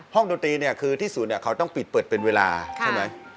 ดนตรีเนี่ยคือที่ศูนย์เขาต้องปิดเปิดเป็นเวลาใช่ไหม